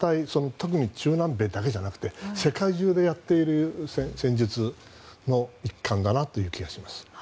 特に中南米だけじゃなくて世界中でやっている戦術の一環だなという気がします。